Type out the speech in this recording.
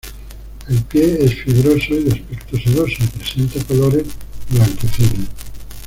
El pie es fibroso y de aspecto sedoso, y presenta colores blanquecinos.